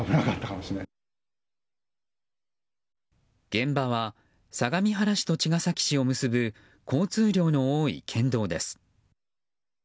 現場は相模原市と茅ヶ崎市を結ぶ交通量の多い県道です。